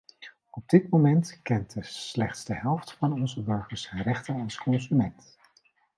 Op dit moment kent slechts de helft van onze burgers zijn rechten als consument.